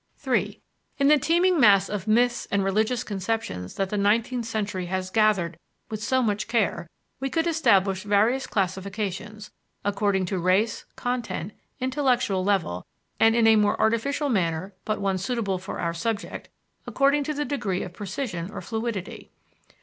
3. In the teeming mass of myths and religious conceptions that the nineteenth century has gathered with so much care we could establish various classifications according to race, content, intellectual level; and, in a more artificial manner but one suitable for our subject, according to the degree of precision or fluidity.